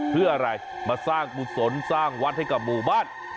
เพื่ออะไรมาสร้างกุศลสร้างวัดให้กับหมู่บ้าน